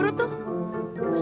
hujan pembon dong